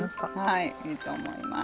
はいいいと思います。